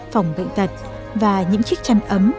phòng cạnh tật và những chiếc chăn ấm